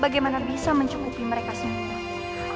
bagaimana bisa mencukupi mereka sendiri